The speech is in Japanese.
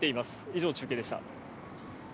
以上、中継でした。